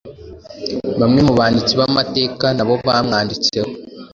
bamwe mu banditsi b’amateka nabo bamwanditseho